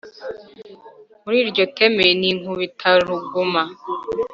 Muri iryo teme n'Inkubitaruguma